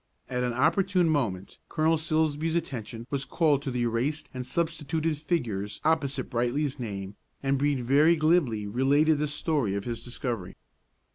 At an opportune moment Colonel Silsbee's attention was called to the erased and substituted figures opposite Brightly's name and Brede very glibly related the story of his discovery.